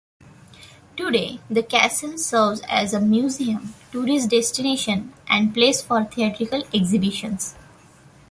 Today the castle serves as a museum, tourist destination and place for theatrical exhibitions.